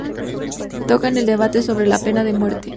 Toca en el debate sobre la pena de muerte.